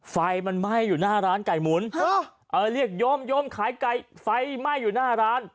ไฟมันไหม้อยู่หน้าร้านไก่หมุนเรียกโยมโยมขายไก่ไฟไหม้อยู่หน้าร้าน